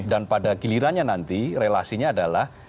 dan pada gilirannya nanti relasinya adalah